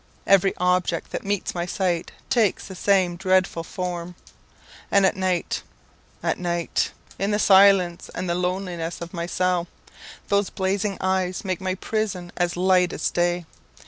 Every object that meets my sight takes the same dreadful form; and at night at night in the silence and loneliness of my cell, those blazing eyes make my prison as light as day.